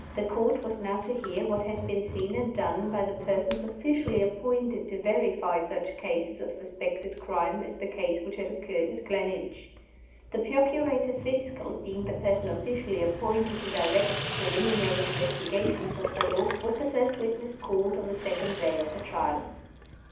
The Court was now to hear what had been seen and done by the persons officially appointed to verify such cases of suspected crime as the case which had occurred at Gleninch. The Procurator Fiscal being the person officially appointed to direct the preliminary investigations of the law was the first witness called on the second day of the Trial.